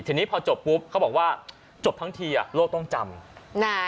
ทีนี้พอจบปุ๊บเขาบอกว่าจบทั้งทีอ่ะโลกต้องจำนะ